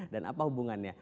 dan apa hubungannya